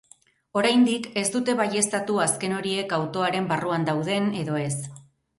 Oraindik, ez dute baieztatu azken horiek autoaren barruan dauden edo ez.